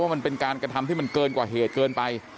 มันเป็นการกระทำที่มันเกินกว่าเหตุเกินไป